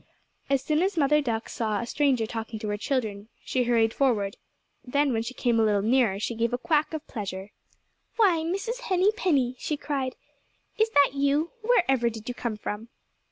As soon as Mother Duck saw a stranger talking to her children she hurried forward. Then when she came a little nearer she gave a quack of pleasure. "Why, Mrs. Henny Penny!" she cried. "Is that you? Wherever did you come from?"